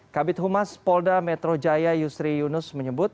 kabit humas polda metro jaya yusri yunus menyebut